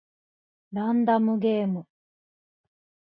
ランダムゲーム